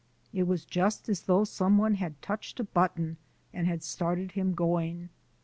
It was just as though some one had touched a button and had started him going.